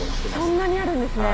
そんなにあるんですね。